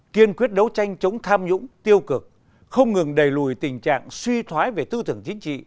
kiên quyết đấu tranh chống tham nhũng tiêu cực không ngừng đẩy lùi tình trạng suy thoái về tư tưởng chính trị